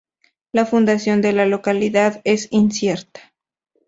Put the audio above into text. La fundación de la localidad es incierta.